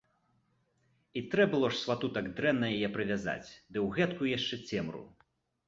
І трэ было ж свату так дрэнна яе прывязаць, ды ў гэткую яшчэ цемру.